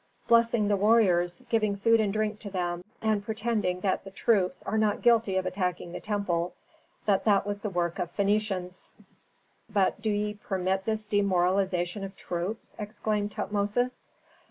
"Blessing the warriors, giving food and drink to them, and pretending that the troops are not guilty of attacking the temple; that that was the work of Phœnicians." "But do ye permit this demoralization of troops?" exclaimed Tutmosis.